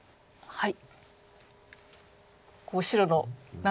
はい。